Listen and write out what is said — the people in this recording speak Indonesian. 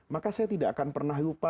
maka saya tidak akan pernah lupa